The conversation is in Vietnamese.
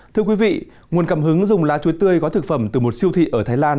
thưa quý vị nguồn cảm hứng dùng lá chuối tươi có thực phẩm từ một siêu thị ở thái lan